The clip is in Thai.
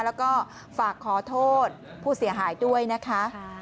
แล้วก็ฝากขอโทษผู้เสียหายด้วยนะคะ